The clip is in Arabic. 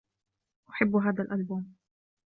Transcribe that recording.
أحب هذا الألبوم.